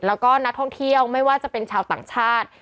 แล้วก็นักท่องเที่ยวไม่ว่าจะเป็นชาวต่างชาติ